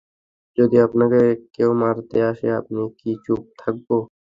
যদি আপনাকে কেউ মারতে আসে আমি কি চুপ থাকবো?